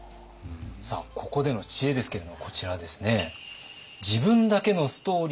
さあここでの知恵ですけれどもこちらですね。